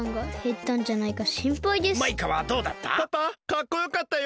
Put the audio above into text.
パパかっこよかったよ。